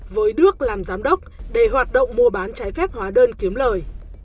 với đức làm giám đốc để hoạt động mua bán trái phép hóa đơn kiếm lời